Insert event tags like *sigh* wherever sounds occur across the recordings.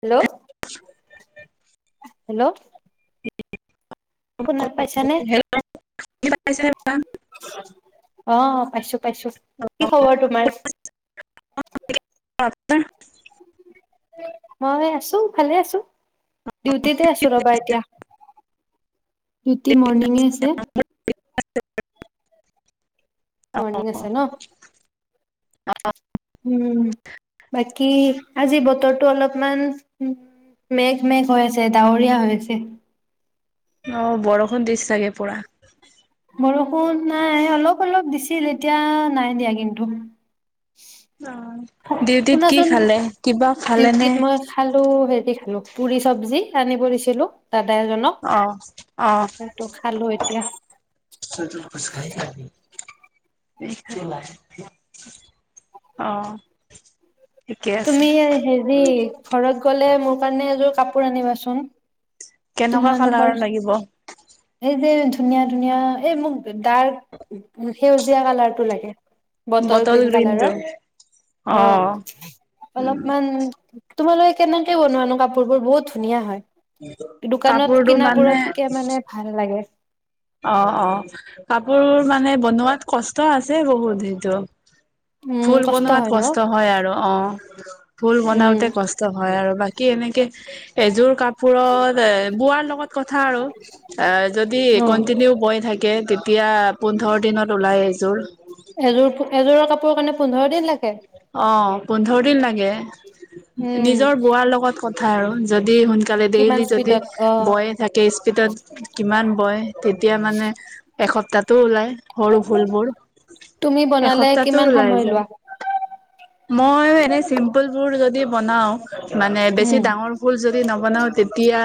Hello *inaudible* hello *inaudible* অ শুনা পাইছানে, অঁ পাইছো- পাইছো, কি খবৰ তোমাৰ? *unintelligible* মই আছো, ভালে আছো। ডিউটিতে আছো ৰবা এতিয়া। বৰষুণ দিউটি মৰ্ণিঙে আছে। আচ *unintelligible* মৰ্ণিং আছে ন। অ *unintelligible* উম, বাকী আজি বতৰটো অলপমান উম, মেঘ-মেঘ হৈ আছে ডাৱৰীয়া হৈ আছে। অ, বৰষূণ দিছে ছাগে পুৰা। বৰষুণ নাই অলপ-অলপ দিছিল এতিয়া নাই দিয়া কিন্তু। অ', ডিউটিত কি শুনাচোন খালে কি ডিউটিত মই খালো স দিছিলোঁ পুৰি চব্জি আনি দিছিলো দাদা এজনক অ অ অ সেটো খালো এতিয়া *unintelligible* অ *unintelligible* তুমি হে হেৰি ঘৰত গলে মোৰ কাৰণে এযোৰ কাপোৰ আনিবাচোন কেনেকুৱা তোমালোকৰ কালাৰৰ লাগিব এই যে ধুনীয়া ধুনীয়া এই মোক ডাৰ্ক সেউজীয়া কালাৰটো লাগে বটল বতল গ্ৰীণ ৰিনটো কালাৰৰ অ অলপমান তোমালোকে কেনেকে বনোৱানো কাপোৰ বোৰ বহুত ধুনীয়া হয় দোকানত কাপোৰটো কিনা মানে বোৰতকে মানে ভাল লাগে অ অ কাপোৰ মানে বনোৱাত কষ্ট আছে বহুত সেইটো উম, ফুল বনোৱাত হয় ন? কষ্ট হয় আৰু অ' ফুল উম, বনাওতে কষ্ট হয় আৰু বাকী কি এনেকে এযোৰ কাপোৰত এ বোৱাৰ লগত কথা আৰু এ যদি অ' কন্টিনিউ বয় থাকে তেতিয়া পোন্ধৰ দিনত ওলাই এযোৰ। এযোৰ এযোৰৰ কাৰণে পোন্ধৰ দিন লাগে। অ, পোন্ধৰ দিন লাগে উম, নিজৰ বোৱাৰ লগত কথ কথা আৰু। যদি সোনকালে কিমান ডেইলি যদি স্পীডত অ' বয়ে থাকে স্পীডত কিমান বয় তেতিয়া মানে এসপ্তাহ তো ওলাই সৰু ভুলবোৰ, তুমি বনালে এসপ্তাহো কিমান ওলাই সময় যায়। লোৱা? মইো এনে চিম্পুল বোৰ, যদি বনাও মানে, বেছি উম। ডাঙৰ ফুল যদি নবনাও, তেতিয়া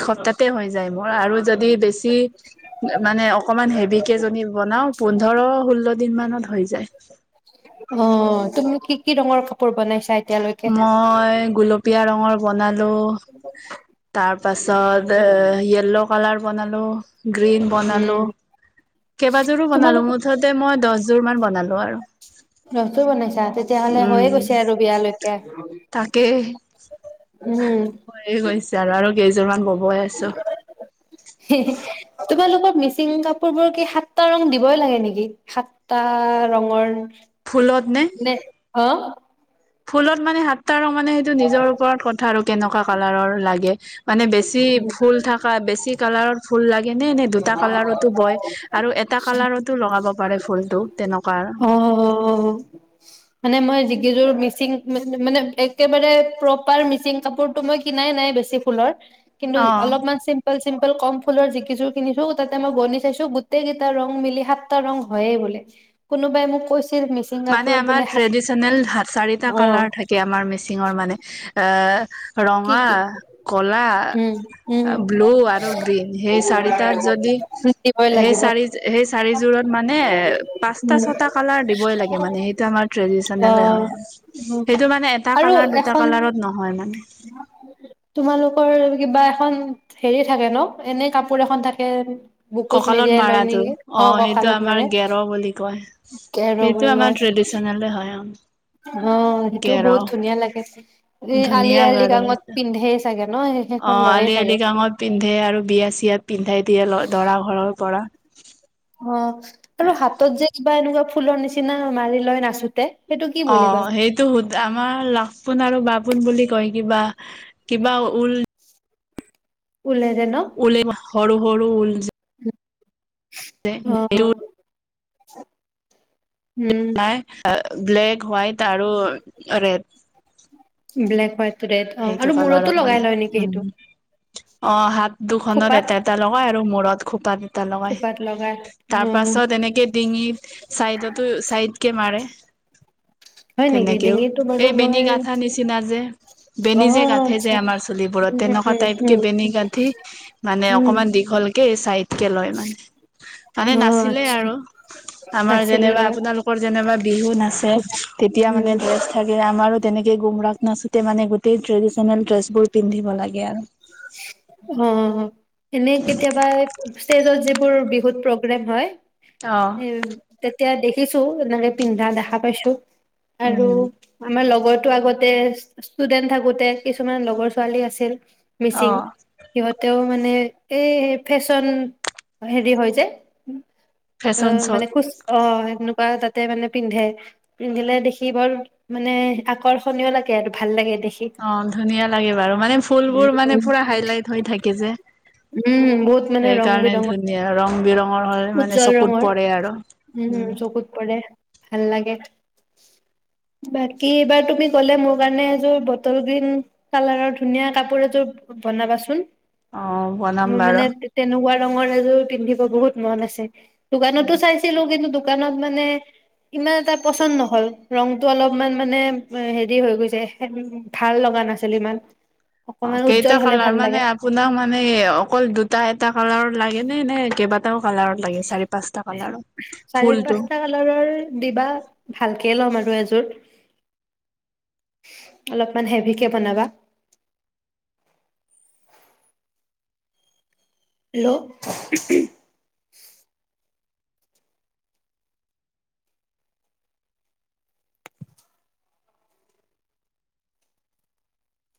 এসপ্তাহতে হৈ যায় মোৰ, আৰু যদি বেছি, মানে অকমান হেভ কেজনী বনাও, পোন্ধৰ ষোল্ল দিন মানত হৈ যায়। অঁ তুমি কি কি ৰঙৰ কাপোৰ বনাই চাই মই গোলপীয়া ৰং বন লো, তাৰ তাৰ পাছত, য়েল্ল' কালাৰ বনালো গ্ৰীণ বনালো, উম কেইবযোৰো বনালো, তোমালোক মুঠতে মই দহযোৰ মান বনালো আৰু, নতুন বনাইছা তেতিয়াহ'লে হৈয়ে উম। গৈছে আৰু বিয়ালৈকে তাকেই, উম হৈয়ে গৈছে আৰু। আৰু কেইোৰ মমান ব হৈই আছো। তোমালোকৰ মিচিং কাপোৰ বোৰ কি সাতটা ৰং দিবই লাগে নেকি, সাতটা ৰঙৰ নে, আঁ ফুলত মানে সাতটা ৰং মানে সেইটো নিজৰ ওপৰত কথা আৰু কেনেকুৱা কালাৰৰ, লাগে মানে বেছি ফুল থকা, বেছি কালাৰত ফুল লাগে এনে এ দুটা কালাৰতো বয় আৰু এটা কালাৰতো লগাব পাৰে ফুলতোক, তেনেকু অঁ'অঁ'অঁ, মানে মই যিকেইযোৰ ম মানে একেবাৰে প্ৰপাৰ মিচিং কাপোৰতটো মই কিনাই নাই, বেছি ফুলৰ কিন্তু অ অলপমান চিম্পল চিম্পল কম ফুলৰ যিকিযোৰ কিনিছো, তাতে মই গণি চাইছো, গোটেই কেইটা ৰং মিলি সাতটা ৰং হয়য়ে বোলে। কোনোবাই মোক কৈ মানে আমাৰ ট্ৰেডিচনেল চাৰিটা অ কালাৰ থাকে আমাৰ মিচিঙৰ মানে, এ' কি ৰঙা, কি কলা, উম উম ব্লু আৰু গ্ৰীণ। সেই চাৰিটাত যদি, দিবই সেই লাগিব চাৰি, সেই চাৰিযোৰত মানে, পাঁচটা উম ছটা কালাৰ দিবই লাগে। মানে সেইটো আমাৰ অ ট্ৰেডিচনে হয় আৰু, উম সেইটো মানে এটা আৰু কালাৰ দুটা এখন কালাৰত নহয় মানে। তোমালোকৰ কিবা এখন হেৰি থাকে ন এনে কাপোৰ এখন থাকে বুকুত কঁকালত মেৰিয়াই লয় মৰাটো নেকি অ সেইটো কঁকালত আমাৰ মাৰে গেৰ বুলি কয় কেৰ সেইটো বুলি আমাৰ কয় ট্ৰেডিশনেলে হয় অ সেইটোও গেৰ বহুত ধুনীয়া লাগে ত উ আলি ধুনীয়া আ বাৰু লৃগাংত সেইটো পিন্ধে অ আলি আই লৃগাংত পিন্ধে আৰু বিয়া চিয়াত পিন্ধাই দিয়ে ল দৰা ঘৰৰ পৰা অ আৰু হাতত যে কিবা এনেকুৱা ফুলৰ নিচিনা মাৰি লৈ নাচোতে সেইটো কি অ বুলি কয় সেইটোত আমাৰ লাখপোন আৰু বাপোন বুলি কয় কিবা কিবা ঊল ওলাই যে ন ঊলে সৰু সৰু উল যে *inaudible* সেইটো অ *inaudible* নাই ব্লেক হোৱাইট ত আৰু ৰেড ব্লেক হোৱাইট ৰেড অ' সেইটো আৰু মূৰতো কালাৰত লগাই মানে লয় নেকি সেইটো? উম অ হাত দুখনত খোপাত এটা এটা লগাই আৰু মূৰত খোপাত সত লগাই খোপাত লগাই তাৰ অ' পাছত এনেকে ডিঙিত চাইডতো চাইডকে মাৰে হয় নেকি তেনেকেও ডিঙিটো বাৰু এই বেনী মই গাঠা নিচিনা যে বেনি যে অ' গাঠে যে আচ্ছা আমাৰ চুলিবোৰত উম তেনেকুৱা উম টাইপ কে উম বেনি গাঠি মানে উম অকনমান দীঘল কে হে চাইড কে লয় মানে মানে উম অ' নাছিলে আচ্ছা আৰু আমাৰ নাছিলে যেনিবা লয় আপোনালোকৰ যেনেবা বিহু নাচে তেতিয়া উম মানে ড্ৰেছ থাকে আমাৰো তেনেকে গোম ৰাখ নাচোতে মানে তে ট্ৰেড নে ড্ৰেছ বোৰ পিন্ধিব লাগে আৰু অ এনে কেতিয়াবা স্তেজত বোৰ বিহুত প্ৰগ্ৰাম হয় অ উ তে এতিয়া দেখিছো এনেকে পিন্ধা দেখা পাইছো আৰু উম আমাৰ লগ মইতো আগতে ষ্টুডেন্ট থাকোতে কিছুমান লগৰ ছোৱালী আছিল মিচিং অ সিহঁতেও মানে এই ফেশ্বন হেৰি হয় যে অ ফেশ্বন শ্ব'ত মানে খুচ অ এনেকুৱা তাতে মানে পিন্ধে পিন্ধিলে দেখি বৰ মানে আকৰ্ষণীয় লাগে আৰু ভাল লাগে দেখি অ ধুনীয়া লাগে বাৰু মানে ফুলবোৰ মানে উম পুৰা হাইলাইট হৈ থাকে যে উম বহুত মানে ৰং সেইকাৰণে ধুনীয়া ৰং হলে বিৰঙৰ মানে উজ্জ্বল চকুত ৰঙৰ পৰে আৰু উম চকুত পৰে ভাল লাগে বাকী এইবাৰ তুমি গ'লে মোৰ কাৰণে এযোৰ বটল গ্ৰীণ কালাৰৰ ধুনীয়া কাপোৰ এযোৰ বনাবাচোন অ বনাম মোৰ বাৰু মানে তেনেকুৱাৰ ৰঙৰ এজোৰ পিন্ধিব বহুত। মন আছে। দোকানতো চাইছিলো কিন্তু। দোকানত মানে ইমান এটা পচন্দ নহল ৰংটো অলপমান মানে হেৰি হৈ গৈছে ভাল লগা নাছিল ইমান। অ' অকমান উজ্জ্বল কেইটা হলে কালাৰ ভাল লাগে মানে আপোনাক মানে অকল দু দুটা এটা কালাৰত লাগে নে, নে কেইবাটাও কালাৰত লাগে চাৰি পাঁচটা কালাৰত চাৰি ফুলটো পাঁচটা কালাৰৰ দিবা ভাল কে ল'ম আৰু এযোৰ অলপমান হেভিকে বনাবা। হেল্ল'।